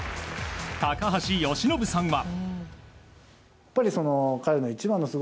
高橋由伸さんは。